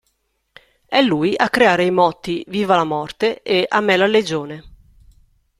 È lui a creare i motti "Viva la morte" e "A me la legione".